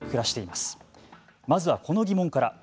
まずはこの疑問から。